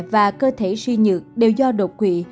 và cơ thể suy nhược đều do đột quỵ